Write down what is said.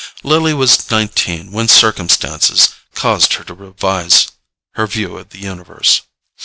Lily was nineteen when circumstances caused her to revise her view of the universe.